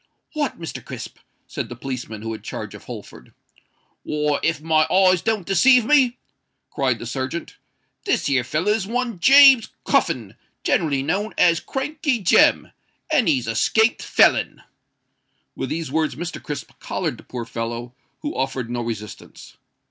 "What, Mr. Crisp?" said the policeman, who had charge of Holford. "Why! if my eyes doesn't deceive me," cried the serjeant, "this here feller is one James Cuffin, generally known as Crankey Jem—and he's a 'scaped felon." With these words Mr. Crisp collared the poor fellow, who offered no resistance.